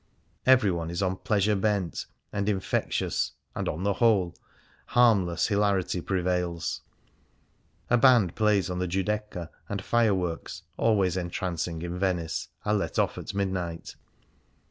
Everyone is " on pleasure bent,"" and infectious, and, on the whole, harm less, hilarity prevails. A band plays on the Giudecca, and fireworks — always entrancing in Venice — are let off at midnight.